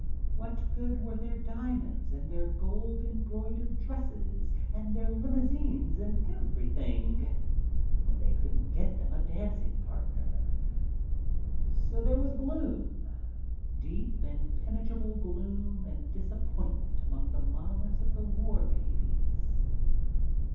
What good were their diamonds and their gold embroid ered dresses and their limousines ? n eve when they couldn't get them a dancing partner. So there was gloom, deep impenetrable gloom and dis appointment among the mammas of the War Babies.